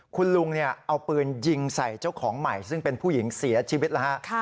คุณลุงเอาปืนยิงใส่เจ้าของใหม่ซึ่งเป็นผู้หญิงเสียชีวิตแล้วฮะ